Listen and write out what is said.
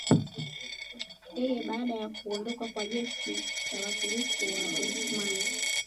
Yeye baada ya kuondoka kwa jeshi la Waturuki Waosmani